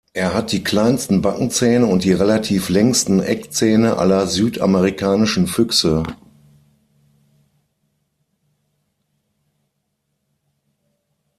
Er hat die kleinsten Backenzähne und die relativ längsten Eckzähne aller südamerikanischen Füchse.